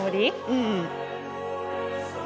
うん。